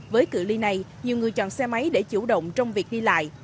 với cửa ly này nhiều người chọn xe máy để chủ động trong việc đi lại